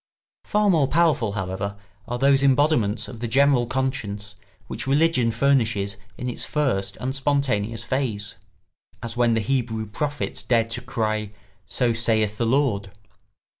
] Far more powerful, however, are those embodiments of the general conscience which religion furnishes in its first and spontaneous phase, as when the Hebrew prophets dared to cry, "So saith the Lord."